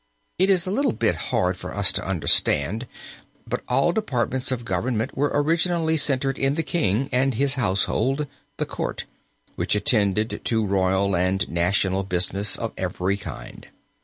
It is a little bit hard for us to understand, but all departments of government were originally centered in the king and his household the court which attended to royal and national business of every kind.